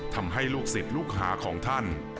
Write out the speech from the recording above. ทำให้ลูกศิษย์ลูกหาของท่าน